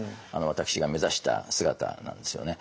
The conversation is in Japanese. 私が目指した姿なんですよね。